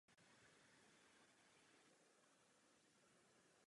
Ve vsi není obchod ani škola.